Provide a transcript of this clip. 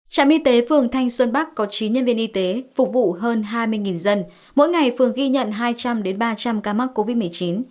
trạm y tế phường thanh xuân bắc có chín nhân viên y tế phục vụ hơn hai mươi dân mỗi ngày phường ghi nhận hai trăm linh ba trăm linh ca mắc covid một mươi chín